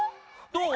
どう？